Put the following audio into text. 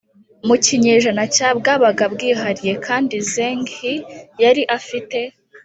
mu kinyejana cya bwabaga bwihariye kandi Zheng He yari afite